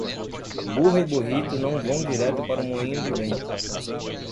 Burra e burrito não vão direto para o moinho de vento.